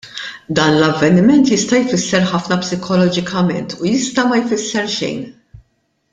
Dan l-avveniment jista' jfisser ħafna psikoloġikament u jista' ma jfisser xejn.